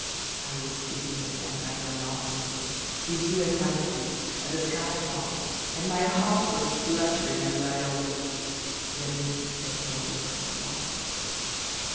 I was sitting again by the laughing brook, With you at my feet, and the sky above, And my heart was fluttering under your look The unmistakable look of Love.